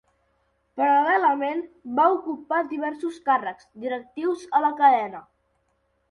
Paral·lelament, va ocupar diversos càrrecs directius a la cadena.